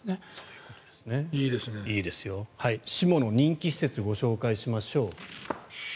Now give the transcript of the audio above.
志茂の人気施設ご紹介しましょう。